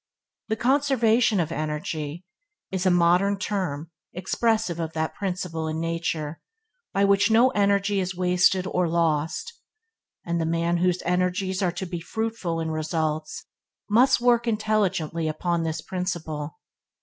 "The conservation of energy" is a modern term expressive of that principle in nature by which no energy is wasted or lost, and the man whose energies are to be fruitful in results must work intelligently upon this principle.